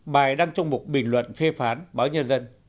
bài đang trong mục bình luận phê phán báo nhân dân